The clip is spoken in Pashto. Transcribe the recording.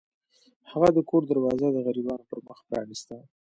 هغه د کور دروازه د غریبانو پر مخ پرانیسته.